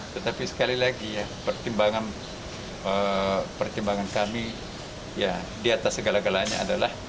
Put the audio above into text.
tetapi sekali lagi pertimbangan kami di atas segala galanya adalah